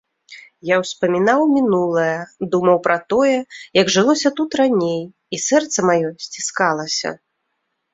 Я ўспамінаў мінулае, думаў пра тое, як жылося тут раней, і сэрца маё сціскалася.